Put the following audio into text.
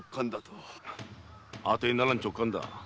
あてにならん直感だ。